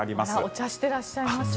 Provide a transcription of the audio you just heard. お茶してらっしゃいます。